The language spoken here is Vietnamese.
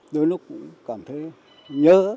đôi lúc cũng cảm thấy nhớ